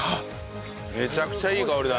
めちゃくちゃいい香りだね。